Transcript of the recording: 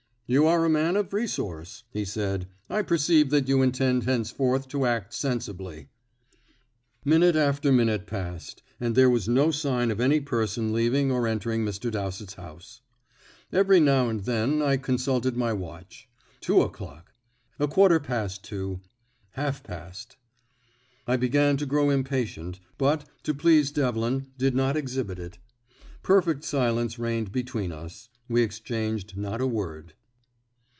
"You are a man of resource," he said. "I perceive that you intend henceforth to act sensibly." Minute after minute passed, and there was no sign of any person leaving or entering Mr. Dowsett's house. Every now and then I consulted my watch. Two o'clock a quarter past two half past. I began to grow impatient, but, to please Devlin, did not exhibit it. Perfect silence reigned between us; we exchanged not a word.